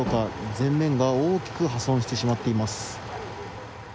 前面が大きく破損してしまっています。